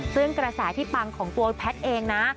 ซึ่งกระแสที่ปังของตัวแพทย์เองนะ